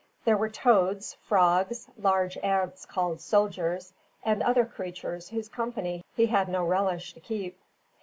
There were toads, frogs, large ants called "soldiers," and other creatures whose company he had no relish to keep.